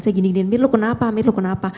saya gini gini mir lo kenapa mir lo kenapa